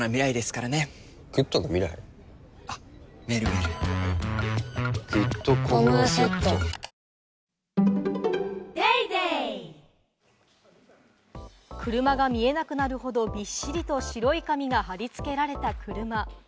「ＷＩＤＥＪＥＴ」車が見えなくなるほど、びっしりと白い紙が貼り付けられた車。